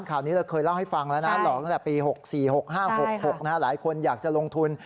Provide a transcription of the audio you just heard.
ข่าวนี้เราเคยเล่าให้ฟังแล้วนะหลอกตั้งแต่ปี๖๔๖๕๖๖หลายคนอยากจะลงทุน